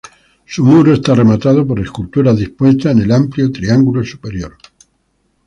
Su muro está rematado por esculturas dispuestas en el amplio triángulo superior.